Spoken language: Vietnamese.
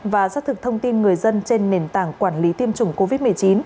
và xác thực thông tin người dân trên nền tảng quản lý tiêm chủng covid một mươi chín